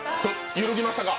揺るぎましたか？